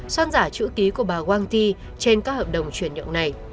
xoan giả chữ ký của bà wang ti trên các hợp đồng chuyển nhượng này